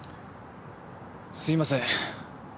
すいません。